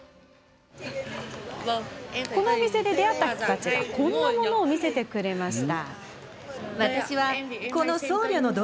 このお店で出会った人たちがこんなものを見せてくれました。